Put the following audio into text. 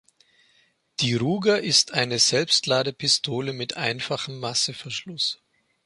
Die Ruger ist eine Selbstladepistole mit einfachem Masseverschluss.